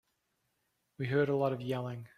We heard a lot of yelling.